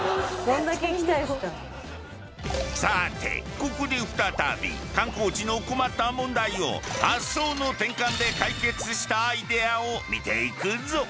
さてここで再び観光地の困った問題を発想の転換で解決したアイデアを見ていくぞ。